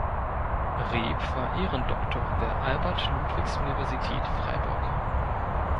Reeb war Ehrendoktor der Albert-Ludwigs-Universität Freiburg.